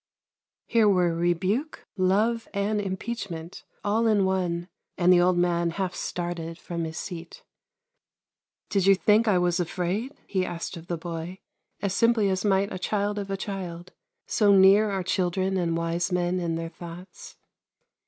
Here were rebuke, love, and impeachment, all in one, and the old man half started from his seat. " Did you think I was afraid ?" he asked of the boy, as simply as might a child of a child, so near are chil dren and wise men in their thoughts.